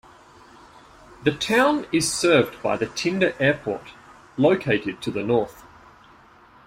The town is served by the Tynda Airport, located to the north.